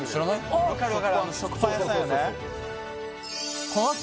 分かる食パン屋さんよね